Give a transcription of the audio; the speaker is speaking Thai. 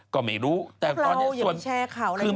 คือแม่